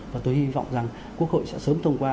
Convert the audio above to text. và tôi hy vọng rằng quốc hội sẽ sớm thông qua